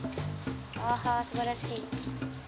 ああー素晴らしい。